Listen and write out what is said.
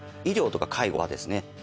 医療とか介護はですね